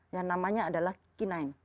yang namanya adalah q sembilan